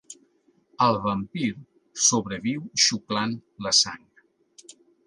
El vampir sobreviu xuclant la sang.